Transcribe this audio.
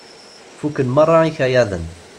Fukken meṛṛa ikayaden.